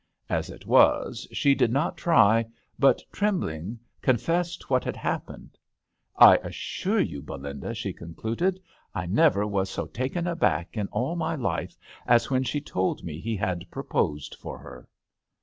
As it was she did not try, but, trembling, confessed what had happened. " I assure you, Belinda," she concluded, I never was so taken aback in all my life as when she told me he had proposed for her."